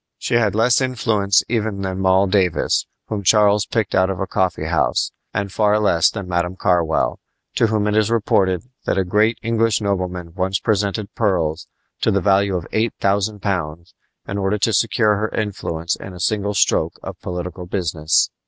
She had less influence even than Moll Davis, whom Charles picked out of a coffee house, and far less than "Madam Carwell," to whom it is reported that a great English nobleman once presented pearls to the value of eight thousand pounds in order to secure her influence in a single stroke of political business.